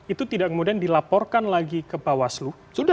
itu tidak kemudian dilaporkan lagi ke bawaslu